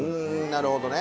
なるほどね。